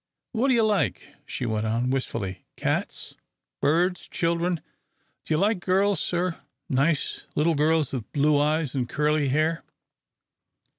"What do you like?" she went on, wistfully, "cats, birds, children do you like girls, sir, nice little girls with blue eyes an' curly hair?"